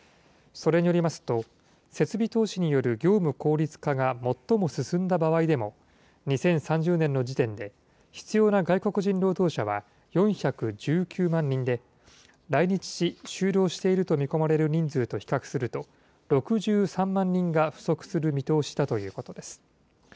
それによりますと、設備投資による業務効率化が最も進んだ場合でも、２０３０年の時点で必要な外国人労働者は、４１９万人で、来日し、就労していると見込まれる人数と比較すると、６３万人が不足する見通しだということです。